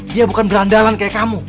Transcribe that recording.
dia bukan berandalan kayak kamu